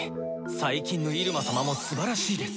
最近の入間様もすばらしいです。